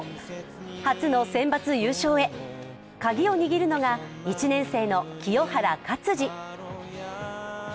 初の選抜優勝へ、カギを握るのが１年生の清原勝児。